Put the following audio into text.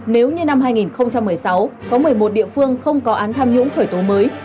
nếu như năm hai nghìn một mươi sáu có một mươi một địa phương không có án tham nhũng khởi tố mới